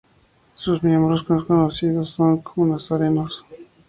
Sus miembros son conocidos como "nazarenos".